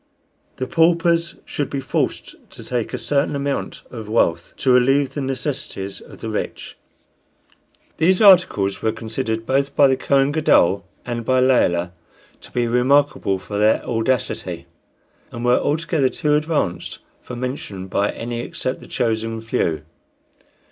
The paupers should be forced to take a certain amount of wealth, to relieve the necessities of the rich. These articles were considered both by the Kohen Gadol and by Layelah to be remarkable for their audacity, and were altogether too advanced for mention by any except the chosen few.